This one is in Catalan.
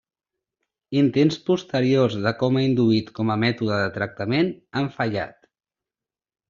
Intents posteriors de coma induït com a mètode de tractament, han fallat.